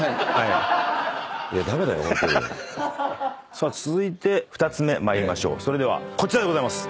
さあ続いて２つ目参りましょうそれではこちらでございます。